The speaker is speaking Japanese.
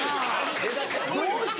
どうした？